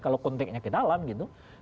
kalau konteknya ke dalam gitu